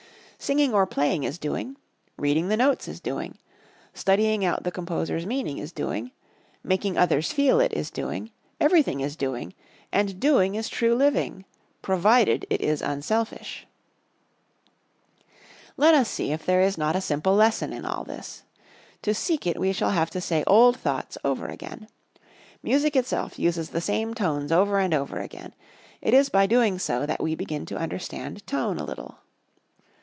Singing or playing is doing; reading the notes is doing; studying out the composer's meaning is doing; making others feel it is doing; everything is doing; and doing is true living, provided it is unselfish. Let us see if there is not a simple lesson in all this. To seek it we shall have to say old thoughts over again. Music itself uses the same tones over and over again; it is by doing so that we begin to understand tone a little.